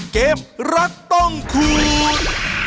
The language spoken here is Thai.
เกมรักต้องคูณ